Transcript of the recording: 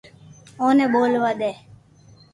اوني ٻولوا دي